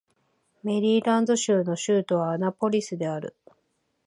メリーランド州の州都はアナポリスである